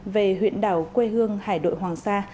về huyện đảo quê hương hải đội hoàng sa